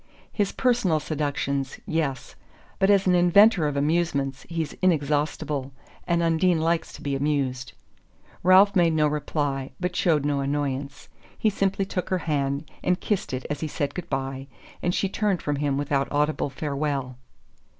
"His personal seductions yes. But as an inventor of amusements he's inexhaustible; and Undine likes to be amused." Ralph made no reply but showed no annoyance. He simply took her hand and kissed it as he said good bye; and she turned from him without audible farewell.